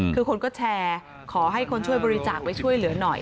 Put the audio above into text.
คือคนก็แชร์ขอให้คนช่วยบริจาคไปช่วยเหลือหน่อย